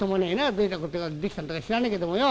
どういったことができたんだか知らねえけどもよ。